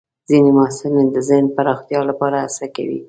ځینې محصلین د ذهن پراختیا لپاره هڅه کوي.